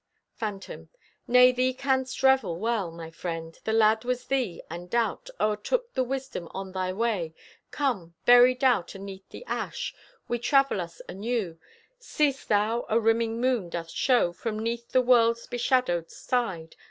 Phantom: Nay, thee canst ravel well, my friend. The lad was thee, and Doubt O'ertook with Wisdom on thy way. Come, bury Doubt aneath the ash. We travel us anew. Seest thou, a rimming moon doth show From 'neath the world's beshadowed side.